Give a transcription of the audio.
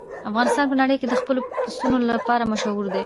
افغانستان په نړۍ کې د خپلو پسونو لپاره مشهور دی.